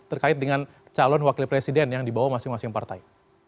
terkait dengan calon wakil presiden yang dibawa masing masing partai